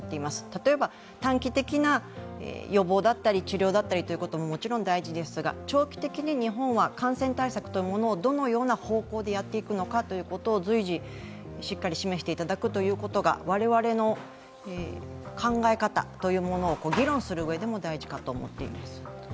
例えば短期的な予防だったり治療だったりということももちろん大事ですが、長期的に日本は感染対策をどのような方向でやっていくのかを随時、しっかり示していただくということが我々の考え方を議論するうえでも大事かと思っています。